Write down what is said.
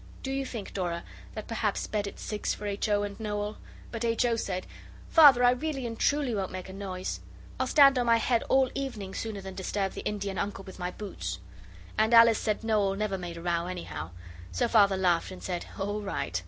Do you think, Dora, that perhaps bed at six for H. O. and Noel ' But H. O. said, 'Father, I really and truly won't make a noise. I'll stand on my head all the evening sooner than disturb the Indian Uncle with my boots.' And Alice said Noel never made a row anyhow. So Father laughed and said, 'All right.